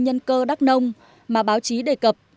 nhân cơ đắk nông mà báo chí đề cập